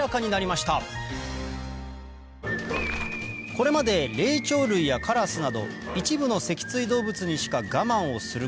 これまで霊長類やカラスなど一部の脊椎動物にしか「ガマンをすること」